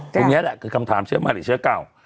ตรงนี้แหละคือคำถามเชื้อมาหรือเชื้อเก่า